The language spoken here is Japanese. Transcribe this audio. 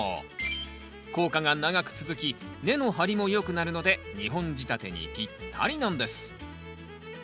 効果が長く続き根の張りもよくなるので２本仕立てにぴったりなんです。